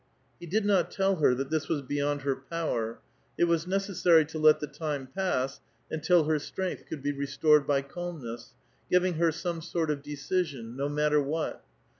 *' He did not tell her that this was beyond her power ; it was necessary to let the time pass until her strength could be restored by calmness, giving her some sort of decision, no matter what.